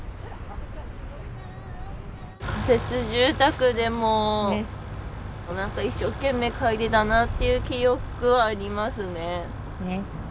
仮設住宅でもう何か一生懸命描いてたなって記憶はありますね。